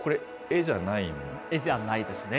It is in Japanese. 絵じゃないですね。